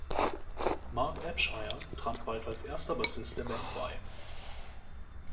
Mark Abshire trat bald als erster Bassist der Band bei.